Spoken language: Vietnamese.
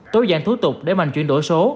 tối giãn thủ tục để mạnh chuyển đổi số